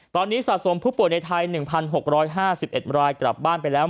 ตอนนี้สะสมผู้ป่วยในไทย๑๖๕๑รายกลับบ้านไปแล้ว